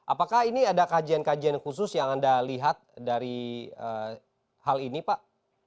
apakah ini ada kajian kajian khusus yang anda lihat dari hal ini pak